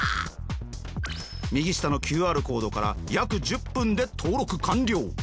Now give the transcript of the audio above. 右下のＱＲコードから約１０分で登録完了。